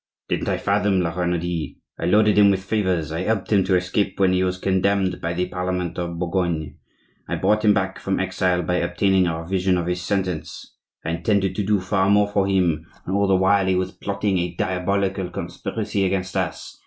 "Didn't I fathom La Renaudie? I loaded him with favors; I helped him to escape when he was condemned by the parliament of Bourgogne; I brought him back from exile by obtaining a revision of his sentence; I intended to do far more for him; and all the while he was plotting a diabolical conspiracy against us!